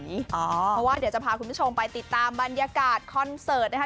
เพราะว่าเดี๋ยวจะพาคุณผู้ชมไปติดตามบรรยากาศคอนเสิร์ตนะคะ